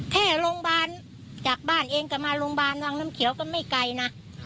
แค่โรงพยาบาลจากบ้านเองก็มาโรงพยาบาลวังน้ำเขียวก็ไม่ไกลนะ